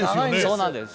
そうなんです。